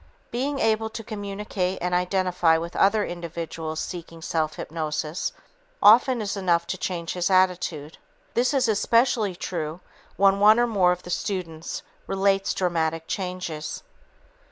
Being able to communicate and identify with other individuals seeking self hypnosis often is enough to change his attitude. This is especially true when one or more of the students relates dramatic changes.